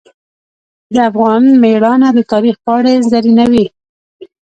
د افغان میړانه د تاریخ پاڼې زرینوي.